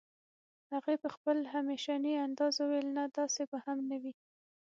هغې په خپل همېشني انداز وويل نه داسې به هم نه وي